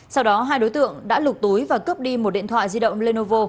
sau đó hai đối tượng đã lục túi và cướp đi một điện thoại di động lenovo